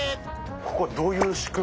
ここはどういう仕組みですか？